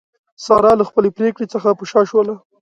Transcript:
ساره له خپلې پرېکړې څخه په شا شوله.